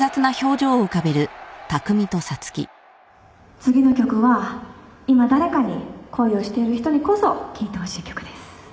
次の曲は今誰かに恋をしている人にこそ聴いてほしい曲です。